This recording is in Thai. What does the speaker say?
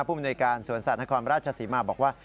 ภูมิในการสวนสัตว์นครราชศรีมาบอกว่า